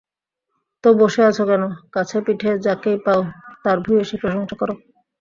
তো বসে আছো কেন, কাছেপিঠে যাকেই পাও, তার ভূয়সী প্রশংসা করো।